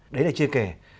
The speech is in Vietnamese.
đấy là chia kể